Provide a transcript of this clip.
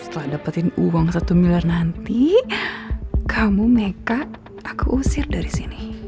setelah dapetin uang satu miliar nanti kamu nekat aku usir dari sini